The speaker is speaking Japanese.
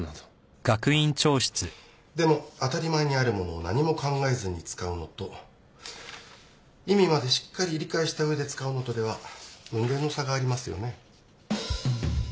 でも当たり前にあるものを何も考えずに使うのと意味までしっかり理解した上で使うのとでは雲泥の差がありますよね。